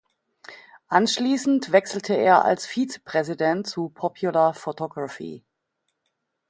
Anschließend wechselte er als Vizepräsident zu Popular Photography.